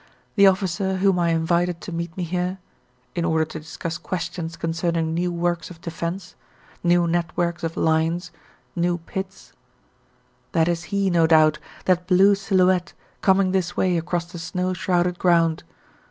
The officer whom I invited to meet me here in order to discuss questions concerning new works of defence, new networks of lines, new pits that is he, no doubt, that blue silhouette coming this way across the snow shrouded ground.